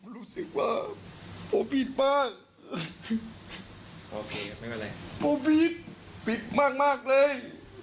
รู้สึกว่าผมผิดมากผมผิดผมผิดผิดมากมากเลย